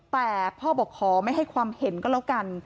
แต่พ่อบอกขอไม่ให้ความเห็นก็แล้วกัน